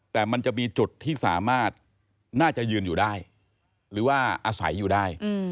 แต่มันจะมีจุดที่สามารถน่าจะยืนอยู่ได้หรือว่าอาศัยอยู่ได้